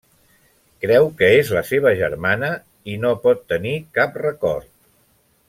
Creu que és la seva germana, i no pot tenir cap record.